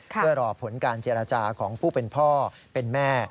เพื่อรอผลการเจรจาของผู้เป็นพ่อเป็นแม่